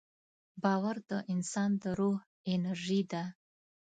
باور د انسان د روح انرژي ده.